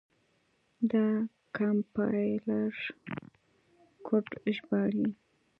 دا کمپایلر کوډ ژباړي.